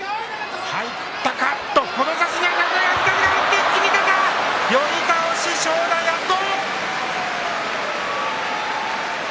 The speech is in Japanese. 一気に出ました寄り倒し、正代、圧倒。